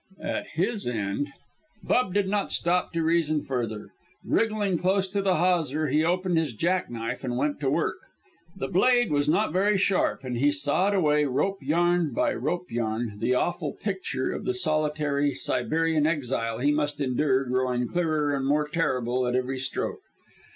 at his end Bub did not stop to reason further. Wriggling close to the hawser, he opened his jack knife and went to work, The blade was not very sharp, and he sawed away, rope yarn by rope yarn, the awful picture of the solitary Siberian exile he must endure growing clearer and more terrible at every stroke.